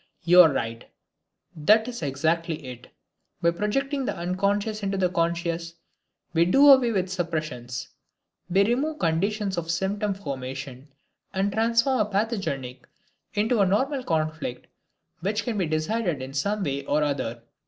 You are right; that is exactly it. By projecting the unconscious into the conscious, we do away with suppressions, we remove conditions of symptom formation and transform a pathogenic into a normal conflict which can be decided in some way or other.